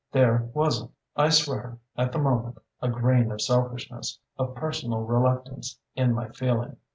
There wasn't, I swear, at the moment, a grain of selfishness, of personal reluctance, in my feeling.